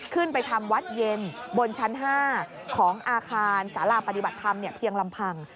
ขึ้นไปทำวัดเย็นบนชั้น๕ของอาคารสาราปฏิบัติธรรมเพียงลำพัง